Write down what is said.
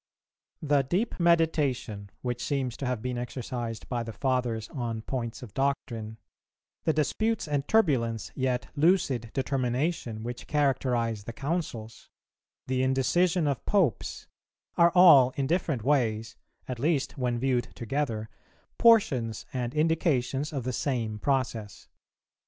[366:1] The deep meditation which seems to have been exercised by the Fathers on points of doctrine, the disputes and turbulence yet lucid determination which characterize the Councils, the indecision of Popes, are all in different ways, at least when viewed together, portions and indications of the same process.